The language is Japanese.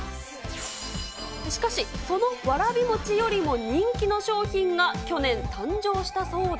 しかし、そのわらびもちよりも人気の商品が去年、誕生したそうで。